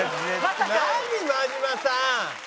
何真島さん！